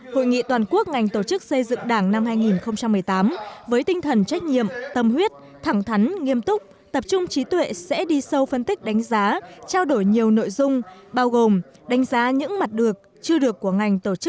hội nghị toàn quốc ngành tổ chức xây dựng đảng năm hai nghìn một mươi tám với tinh thần trách nhiệm tâm huyết thẳng thắn nghiêm túc tập trung trí tuệ sẽ đi sâu phân tích đánh giá trao đổi nhiều nội dung bao gồm đánh giá những mặt được chưa được của ngành tổ chức